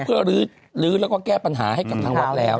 เพื่อลื้อแล้วก็แก้ปัญหาให้กับทางวัดแล้ว